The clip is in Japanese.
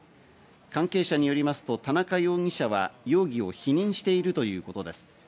関係者によりますと、田中容疑者は容疑を否認しているということです。